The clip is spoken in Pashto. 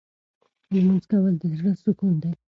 لمونځ کول د زړه سکون دی.